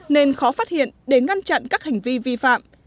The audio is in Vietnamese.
nên khó phát hiện để ngăn chặn các hành vi vi phạm